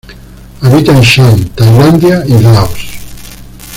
Habita en Shan, Tailandia y Laos.